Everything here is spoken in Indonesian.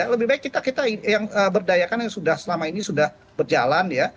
lebih baik kita yang berdayakan yang selama ini sudah berjalan ya